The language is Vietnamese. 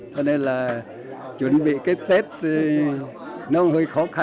cho nên là chuẩn bị cái tết nó hơi khó khăn